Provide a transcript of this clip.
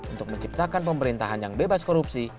untuk menciptakan pemerintahan yang bebas korupsi